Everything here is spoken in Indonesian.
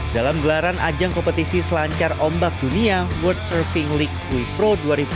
dalam gelaran ajang kompetisi selancar ombak dunia world surfing league pro dua ribu dua puluh